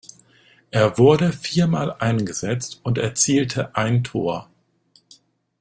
Er wurde viermal eingesetzt und erzielte ein Tor.